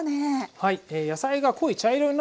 はい。